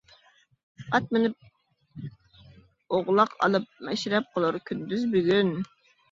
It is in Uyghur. ئات مىنىپ، ئوغلاق ئالىپ، مەشرەپ قىلۇر كۈندۈز بۈگۈن.